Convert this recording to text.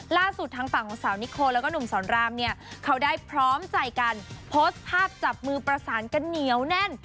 ล่าสุดทางฝั่งของสาวนิโคแล้วก็หนุ่มสอนรามเนี่ยเขาได้พร้อมใจกันโพสต์ภาพจับมือประสานกันเหนียวแน่น